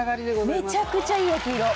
めちゃくちゃいい焼き色。